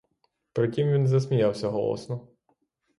При тім він засміявся голосно.